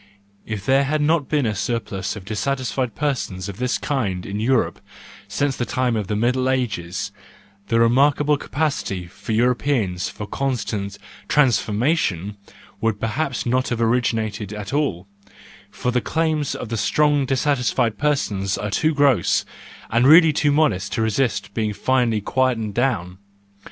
If there had not been a surplus of dissatisfied persons of this kind in Europe since the time of the Middle Ages, the remarkable capacity of Europeans for constant transformation would' perhaps not have originated at all; for the claims of the strong dissatisfied persons are too gross, and really too modest to resist being finally quieted down.